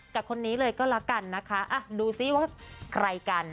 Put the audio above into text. กับคนนี้เลยก็แล้วกันนะคะดูซิว่าใครกัน